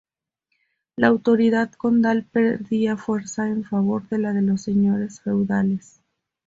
La autoridad condal perdía fuerza en favor de la de los señores feudales.